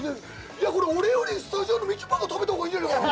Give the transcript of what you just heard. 俺よりスタジオのみちょぱが食べた方がいいんじゃないかな？